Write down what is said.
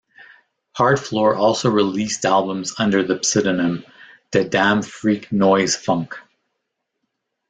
Hardfloor also released albums under the pseudonym Da Damn Phreak Noize Phunk.